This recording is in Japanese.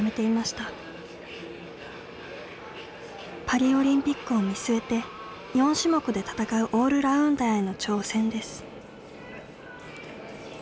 パリオリンピックを見据えて４種目で戦うオールラウンダーへの挑戦です。